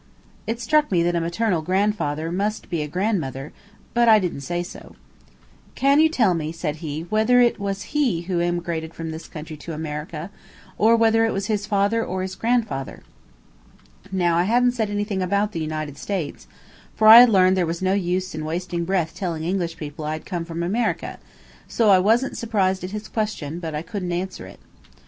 It struck me that a maternal grandfather must be a grandmother, but I didn't say so. "Can you tell me," said he, "whether it was he who emigrated from this country to America, or whether it was his father or his grandfather?" Now I hadn't said anything about the United States, for I had learned there was no use in wasting breath telling English people I had come from America, so I wasn't surprised at his question, but I couldn't answer it.